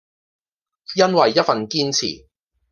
因為一份堅持